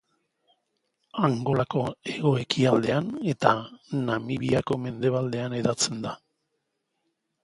Angolako hego-ekialdean eta Namibiako mendebaldean hedatzen da.